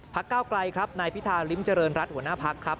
ก้าวไกลครับนายพิธาริมเจริญรัฐหัวหน้าพักครับ